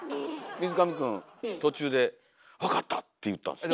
水上くん途中で「わかった」って言ったんすよ。